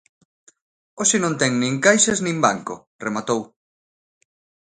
Hoxe non ten nin caixas nin banco, rematou.